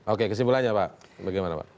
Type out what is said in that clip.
oke kesimpulannya pak